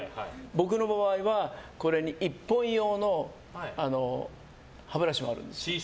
僕の場合はこれに１本用の歯ブラシもあるんです。